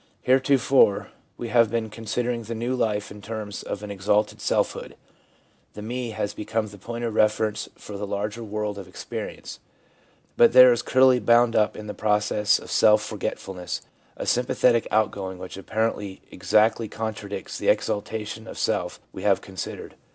Heretofore we have been considering the new life in terms of an exalted selfhood. The 'me' has become the point of reference for the larger world of experience. But there is clearly bound up in the process a self forgetfulness, a sympathetic outgoing which apparently exactly contradicts the exaltation of self we have considered.